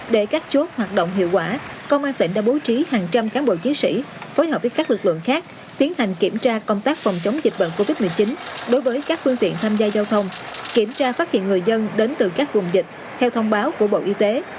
để các chốt hoạt động hiệu quả công an tỉnh đã bố trí hàng trăm cán bộ chiến sĩ phối hợp với các lực lượng khác tiến hành kiểm tra công tác phòng chống dịch bệnh covid một mươi chín đối với các phương tiện tham gia giao thông kiểm tra phát hiện người dân đến từ các vùng dịch theo thông báo của bộ y tế